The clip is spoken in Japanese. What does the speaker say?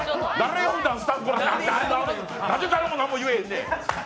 何で誰も何も言えへんねん。